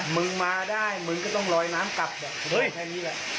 มึงมาได้มึงก็ต้องลอยน้ำกลับแบบเฮ้ยแค่นี้แหละ